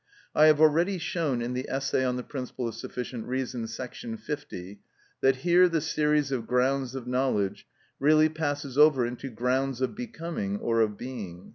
I have already shown in the essay on the principle of sufficient reason, § 50, that here the series of grounds of knowledge really passes over into grounds of becoming or of being.